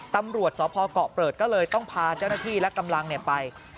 ตำรวจสพเกาะเปิดก็เลยต้องพาเจ้าหน้าที่และกำลังไป